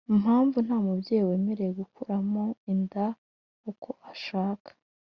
mpamvu nta mubyeyi wemerewe gukuramo inda uko ashaka